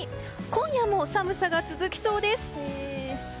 今夜も寒さが続きそうです。